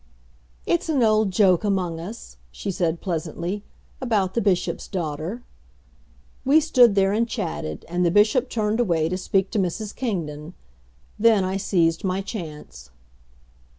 "It's an old joke among us," she said pleasantly, "about the Bishop's daughter." We stood there and chatted, and the Bishop turned away to speak to Mrs. Kingdon. Then I seized my chance.